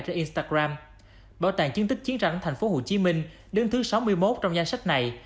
trên instagram bảo tàng chứng tích chiến tranh tp hcm đứng thứ sáu mươi một trong danh sách này